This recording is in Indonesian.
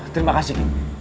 terima kasih ki